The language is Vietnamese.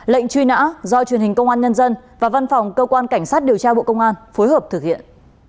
lệnh truy nã do truyền hình công an nhân dân và văn phòng cơ quan cảnh sát điều tra bộ công an phối hợp thực hiện